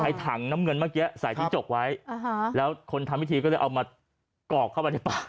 ถังน้ำเงินเมื่อกี้ใส่จิ้งจกไว้แล้วคนทำพิธีก็เลยเอามากอกเข้าไปในบ้าน